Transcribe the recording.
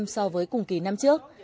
so với cùng kỳ năm trước